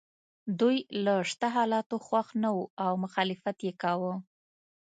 دوی له شته حالاتو خوښ نه وو او مخالفت یې کاوه.